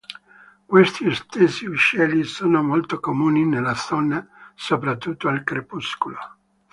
Questi stessi uccelli sono molto comuni nella zona, soprattutto al crepuscolo.